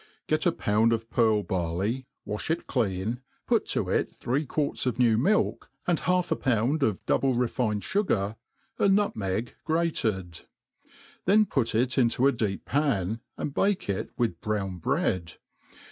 .GET ^ pound of pearl barley, wa(h it clean, pat (o it thr^ i}uarts of new milk, and half a pound of double refined fugai> a nutmeg grated i then put it into a deep pan, and bake it wita brown bread.